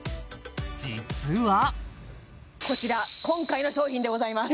実はこちら今回の商品でございます